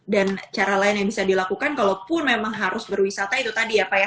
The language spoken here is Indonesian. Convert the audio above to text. dan cara lain yang bisa dilakukan kalaupun memang harus berwisata itu tadi ya pak